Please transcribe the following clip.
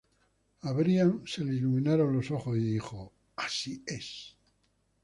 A Brian se le iluminaron los ojos y dijo 'Así es.